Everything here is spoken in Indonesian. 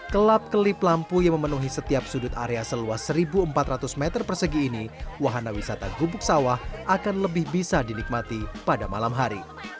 kelap kelip lampu yang memenuhi setiap sudut area seluas satu empat ratus meter persegi ini wahana wisata gubuk sawah akan lebih bisa dinikmati pada malam hari